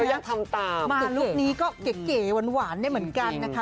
ที่เรายังทำตามมาลุกนี้ก็เก๋หวานเนี่ยเหมือนกันนะคะ